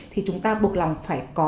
thì chúng ta bộc lòng phải có